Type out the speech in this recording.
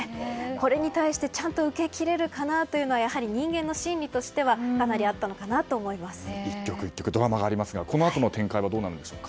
これに対して、ちゃんと受けきれるかなというのはやはり人間の心理としては１局１局ドラマがありますがこのあとの展開はどうなんでしょう？